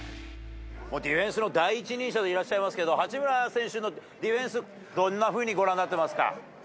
ディフェンスの第一人者でいらっしゃいますけど、八村選手のディフェンス、どんなふうにご覧になってますか。